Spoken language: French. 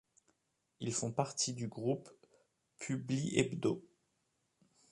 Ils font partie du groupe Publihebdos.